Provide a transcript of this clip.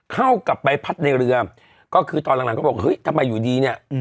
เข้ากับใบพัดในเรือก็คือตอนหลังก็บอกเฮ้ยทำไมอยู่ดีเนี่ย